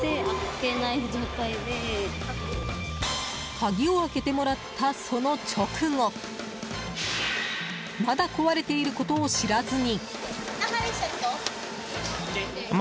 鍵を開けてもらったその直後まだ壊れていることを知らずに。